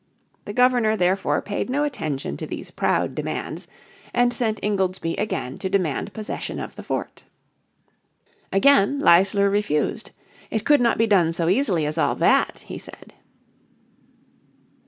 The Governor therefore paid no attention to these proud demands, and sent Ingoldsby again to demand possession of the fort. Again Leisler refused. It could not be done so easily as all that, he said.